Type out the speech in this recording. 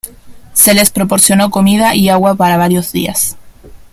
Se les proporcionó comida y agua para varios días.